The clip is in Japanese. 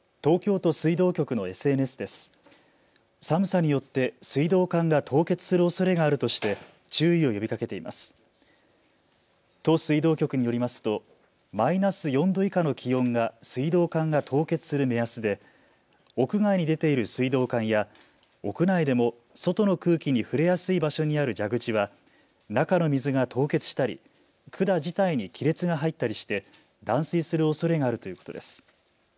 都水道局によりますとマイナス４度以下の気温が水道管が凍結する目安で屋外に出ている水道管や屋内でも外の空気に触れやすい場所にある蛇口は中の水が凍結したり管自体に亀裂が入ったりして断水するおそれがあるということです。